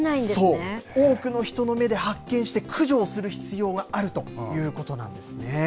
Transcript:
そう、多くの人の目で発見して、駆除をする必要があるということなんですね。